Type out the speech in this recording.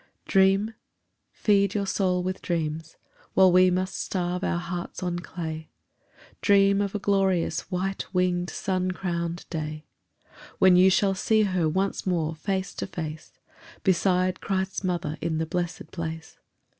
Dream? Feed your soul With dreams, while we must starve our hearts on clay, Dream of a glorious white winged sun crowned day When you shall see her once more face to face Beside Christ's Mother in the blessed place!